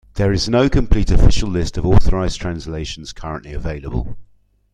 There is no complete official list of authorised translations currently available.